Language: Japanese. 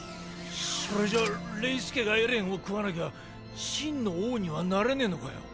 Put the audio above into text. それじゃあレイス家がエレンを食わなきゃ真の王にはなれねぇのかよ？